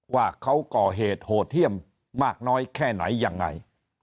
ว่าเขาก่อเหตุโหดเยี่ยมมากน้อยแค่ไหนยังไง